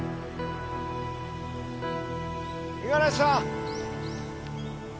五十嵐さん！